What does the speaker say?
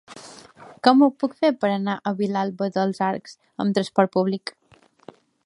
Com ho puc fer per anar a Vilalba dels Arcs amb trasport públic?